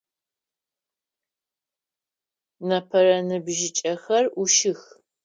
Непэрэ ныбжьыкӏэхзр ӏушых.